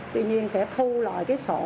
tuy nhiên sẽ thu lại cái số